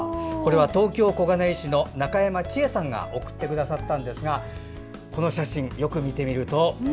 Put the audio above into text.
東京・小金井市の中山智江さんが送ってくださったんですがこの写真、よく見てみると。